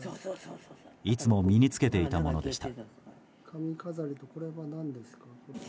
いつも身に着けていたものでした。